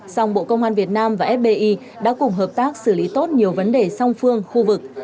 song bộ công an việt nam và fbi đã cùng hợp tác xử lý tốt nhiều vấn đề song phương khu vực